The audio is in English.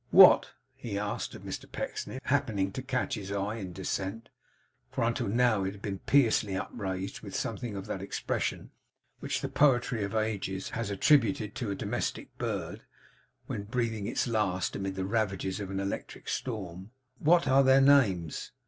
'What,' he asked of Mr Pecksniff, happening to catch his eye in its descent; for until now it had been piously upraised, with something of that expression which the poetry of ages has attributed to a domestic bird, when breathing its last amid the ravages of an electric storm: 'What are their names?